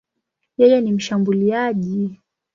Yeye ni mshambuliaji.